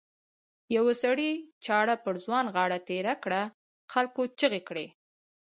یوه سړي چاړه پر ځوان غاړه تېره کړه خلکو چیغې کړې.